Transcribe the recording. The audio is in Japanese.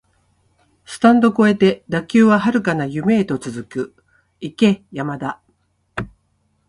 スタンド超えて打球は遥かな夢へと続く、行け山田